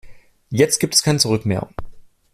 Jetzt gibt es kein Zurück mehr.